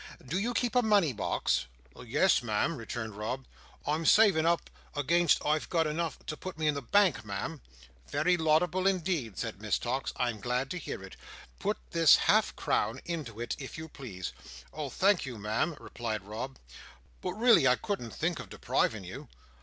Do you keep a money box?" "Yes, Ma'am," returned Rob; "I'm saving up, against I've got enough to put in the Bank, Ma'am. "Very laudable indeed," said Miss Tox. "I'm glad to hear it. Put this half crown into it, if you please." "Oh thank you, Ma'am," replied Rob, "but really I couldn't think of depriving you."